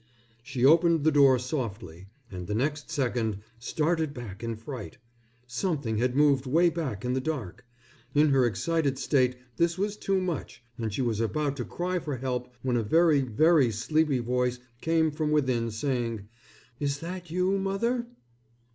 She opened the door softly and the next second started back in fright. Something had moved way back in the dark. In her excited state this was too much, and she was about to cry for help when a very, very sleepy voice came from within, saying: "Is that you, mother?"